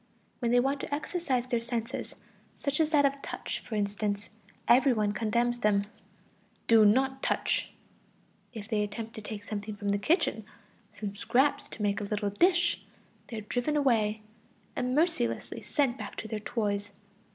When they want to exercise their senses, such as that of touch, for instance, every one condemns them: "Do not touch!" If they attempt to take something from the kitchen, some scraps to make a little dish, they are driven away, and mercilessly sent back to their toys.